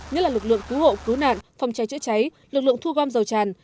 như lực lượng cứu hộ cứu nạn phòng cháy chữa cháy lực lượng thu gom dầu tràn